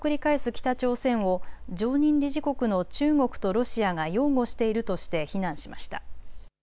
北朝鮮を常任理事国の中国とロシアが擁護しているとして非難しました。